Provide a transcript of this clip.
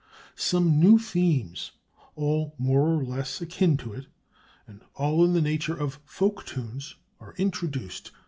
"] "Some new themes, all more or less akin to it, and all in the nature of folk tunes, are introduced.